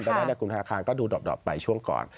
ดังนั้นกลุ่มธนาคารก็ดูดอบไปช่วงก่อน